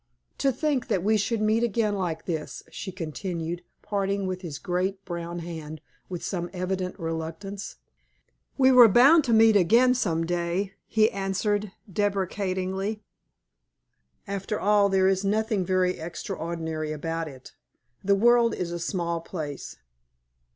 "To think that we should meet again like this," she continued, parting with his great brown hand with some evident reluctance. "We were bound to meet again some day," he answered, deprecatingly. "After all, there is nothing very extraordinary about it. The world is a small place."